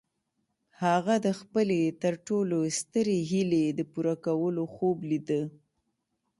هغه د خپلې تر ټولو سترې هيلې د پوره کولو خوب ليده.